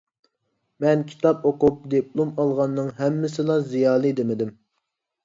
مەن كىتاب ئوقۇپ دىپلوم ئالغاننىڭ ھەممىسىلا زىيالىي دېمىدىم.